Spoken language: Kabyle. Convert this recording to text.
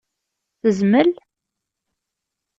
Tezmel?